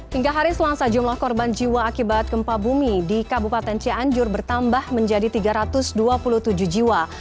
hingga hari selasa jumlah korban jiwa akibat gempa bumi di kabupaten cianjur bertambah menjadi tiga ratus dua puluh tujuh jiwa